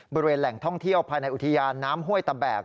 บริเวณแหล่งท่องเที่ยวภายในอุทยานน้ำห้วยตะแบก